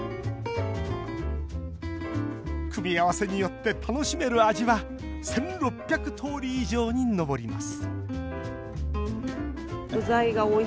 組み合わせによって楽しめる味は１６００通り以上に上ります